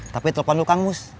tapi telepon lu kangus